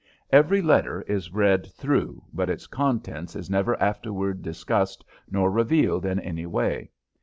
Every letter is read through, but its contents is never afterward discussed nor revealed in any way.